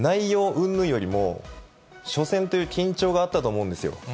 うんぬんよりも、初戦という緊張があったと思うんですよ。